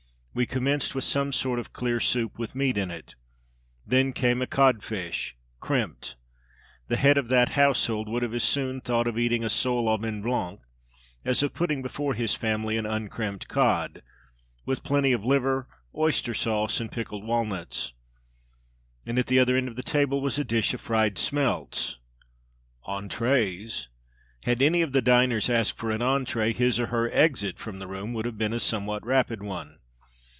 We commenced with some sort of clear soup, with meat in it. Then came a codfish, crimped the head of that household would have as soon thought of eating a sôle au vin blanc as of putting before his family an uncrimped cod with plenty of liver, oyster sauce, and pickled walnuts; and at the other end of the table was a dish of fried smelts. Entrées? Had any of the diners asked for an entrée, his or her exit from the room would have been a somewhat rapid one.